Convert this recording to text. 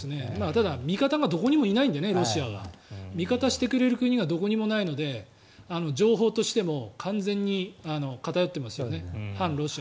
ただ味方がどこにもいないので、ロシアは。味方してくれる国がどこもないので情報としても完全に偏ってますよね。